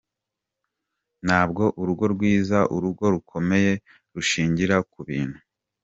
Ntabwo urugo rwiza, urugo rukomeye rushingira ku bintu.